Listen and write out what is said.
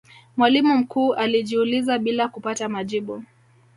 mwalimu mkuu alijiuliza bila kupata majibu